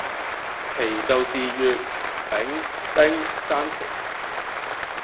「奇」就是乙（日奇）、丙（月奇）、丁（星奇）三奇